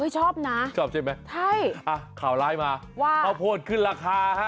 ชอบนะใช่ข่าวร้ายมาว่าข้าวโพสขึ้นราคา